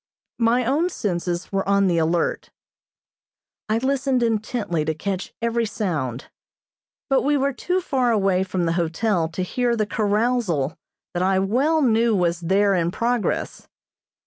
My own senses were on the alert. I listened intently to catch every sound, but we were too far away from the hotel to hear the carousal that I well knew was there in progress.